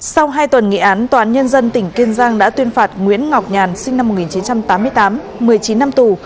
sau hai tuần nghị án tòa án nhân dân tỉnh kiên giang đã tuyên phạt nguyễn ngọc nhàn sinh năm một nghìn chín trăm tám mươi tám một mươi chín năm tù